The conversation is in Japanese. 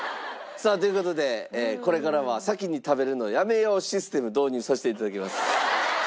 さあという事でこれからは先に食べるのやめようシステム導入させていただきます。